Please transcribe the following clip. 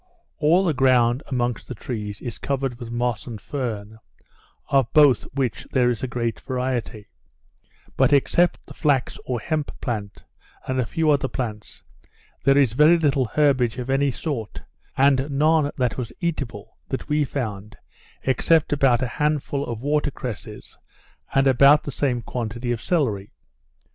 All the ground amongst the trees is covered with moss and fern, of both which there is a great variety; but except the flax or hemp plant, and a few other plants, there is very little herbage of any sort, and none that was eatable, that we found, except about a handful of water cresses, and about the same quantity of cellery.